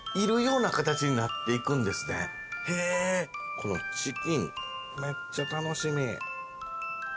このチキンめっちゃ楽しみ。